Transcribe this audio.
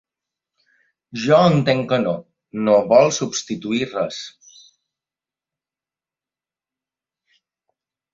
Jo entenc que no, no vol substituir res.